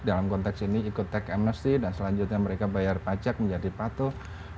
dalam konteks ini ikut tax amnesty dan selanjutnya mereka bayar pajak menjadi patuh